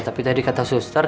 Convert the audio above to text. tapi tadi kata suster